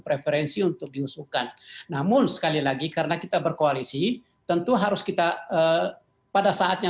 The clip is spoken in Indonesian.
preferensi untuk diusulkan namun sekali lagi karena kita berkoalisi tentu harus kita pada saatnya